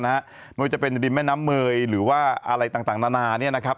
ไม่ว่าจะเป็นริมแม่น้ำเมยหรือว่าอะไรต่างนานาเนี่ยนะครับ